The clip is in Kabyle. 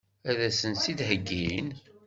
Ad sen-tt-id-heggin?